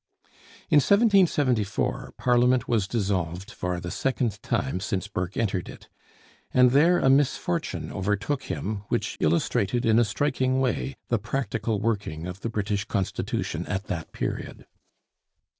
In 1774 Parliament was dissolved for the second time since Burke entered it: and there a misfortune overtook him which illustrated in a striking way the practical working of the British Constitution at that period.